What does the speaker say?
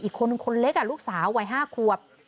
อีกคนคนเล็กอ่ะลูกสาววัยห้าควบ